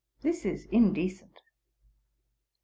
This is indecent."'